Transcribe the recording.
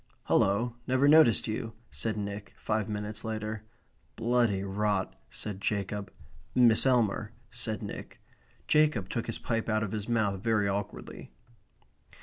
"Hullo, never noticed you," said Nick, five minutes later. "Bloody rot," said Jacob. "Miss Elmer," said Nick. Jacob took his pipe out of his mouth very awkwardly.